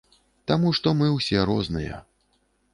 Таму што мы ўсе розныя.